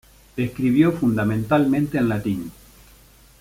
Escribió fundamentalmente en latín.